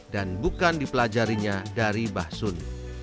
dan bukan dipelajarinya dari bah sun